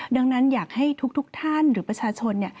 ดังนั้นอยากให้ทุกท่านหรือประชาชน